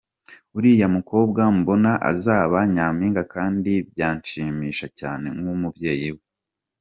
Uriya mukobwa mbona azaba nyampinga kandi byanshimisha cyane nk’umubyeyi we .